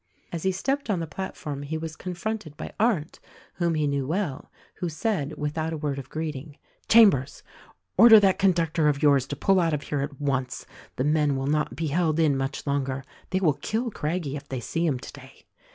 As he stepped on the plat form he was confronted hy Arndt, whom he knew well, who said— without a word of greeting— "Chambers ! Order that conductor of yours to pull out of here at once. The men will not be held in much longer. They will kill Craggie if they see him today."